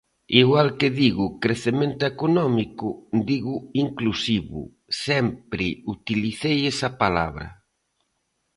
Igual que digo crecemento económico digo inclusivo, sempre utilicei esa palabra.